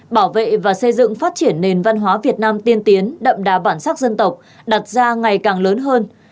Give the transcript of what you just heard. bảo vệ và xây dựng phát triển nền văn hóa việt nam tiên tiến đậm đà bản sắc dân tộc đặt ra ngày càng lớn hơn